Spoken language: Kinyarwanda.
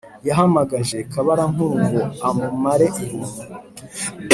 yahamagaje kabarankuru ngo amumare irungu.